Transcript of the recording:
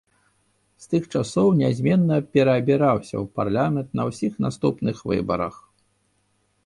З тых часоў нязменна пераабіраўся ў парламент на ўсіх наступных выбарах.